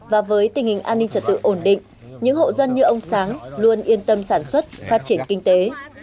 và với tình hình an ninh trật tự ổn định những hộ dân như ông sáng luôn yên tâm sản xuất phát triển kinh tế